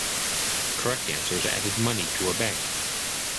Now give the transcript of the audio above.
Correct answers added money to a bank.